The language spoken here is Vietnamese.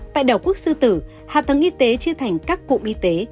tại đảo quốc sư tử hạ tầng y tế chia thành các cụm y tế